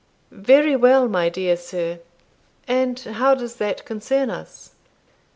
"Very well, my dear sir, and how does that concern us?"